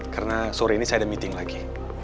karena sore ini saya ada meeting lagi